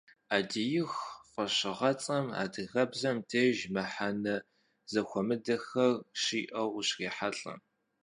«Ӏэдииху» фӀэщыгъэцӀэм адыгэбзэм деж мыхьэнэ зэхуэмыдэхэр щиӀэу ущрехьэлӀэ.